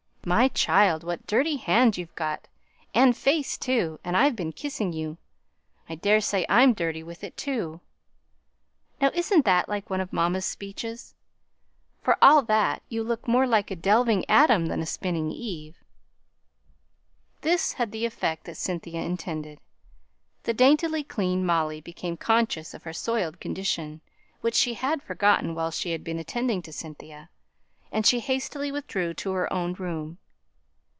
My child! what dirty hands you've got, and face too; and I've been kissing you I daresay I'm dirty with it, too. Now, isn't that like one of mamma's speeches? But, for all that, you look more like a delving Adam than a spinning Eve." This had the effect that Cynthia intended; the daintily clean Molly became conscious of her soiled condition, which she had forgotten while she had been attending to Cynthia, and she hastily withdrew to her own room.